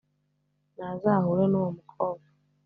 Nazahure nuwo mukobwa